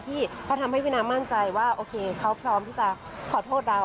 ที่เขาทำให้พี่น้ำมั่นใจว่าโอเคเขาพร้อมที่จะขอโทษเรา